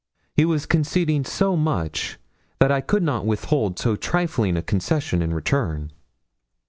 He was conceding so much that I could not withhold so trifling a concession in return.